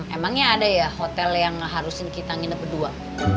emangnya ada ya hotel yang harusin kita nginep berdua